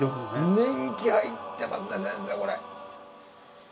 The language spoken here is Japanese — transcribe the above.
年季入ってますね先生これ！